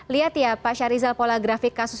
lihat ya pak syarizal pola grafik kasus